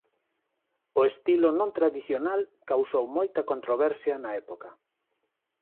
O estilo non tradicional causou moita controversia na época.